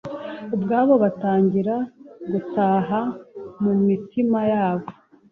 ubwoba butangira gutaha mu mitima yabo.